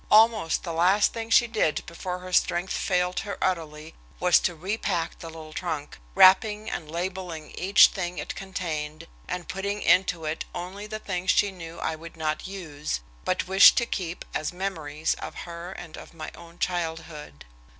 Almost the last thing she did before her strength failed her utterly was to repack the little trunk, wrapping and labeling each thing it contained, and putting into it only the things she knew I would not use, but wished to keep as memories of her and of my own childhood.